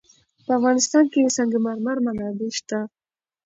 په افغانستان کې د سنگ مرمر منابع شته.